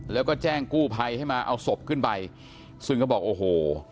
แล้วก็แจ้งกู้ภัยให้มาเอาศพขึ้นไปซึ่งเขาบอกโอ้โห